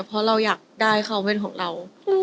เพราะเราอยากได้คอเว่นของเรา